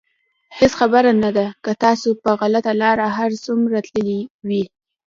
هېڅ خبره نه ده که تاسو په غلطه لاره هر څومره تللي وئ.